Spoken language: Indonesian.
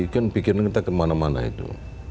kan pikiran kita kemana mana itu